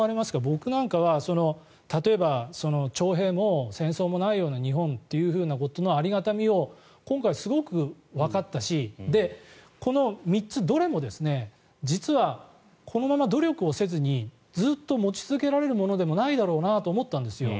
僕なんかは例えば、徴兵も戦争もないような日本ということのありがたみを今回、すごくわかったしこの３つどれも実はこのまま努力をせずにずっと持ち続けられるものでもないだろうなと思ったんですよ。